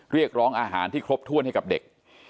เรียกร้องอาหารที่ครบถ้วนให้กับเด็ก